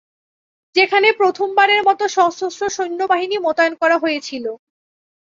যেখানে প্রথমবারের মতো সশস্ত্র সৈন্যবাহিনী মোতায়েন করা হয়েছিল।